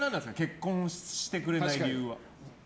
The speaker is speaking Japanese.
結婚してくれない理由は。